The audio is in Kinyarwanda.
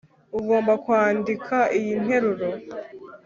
ugomba kwandika iyi nteruro